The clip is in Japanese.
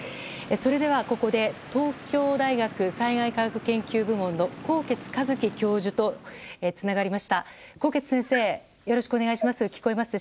それでは、ここで東京大学災害科学研究部門の纐纈一起教授とつながりました。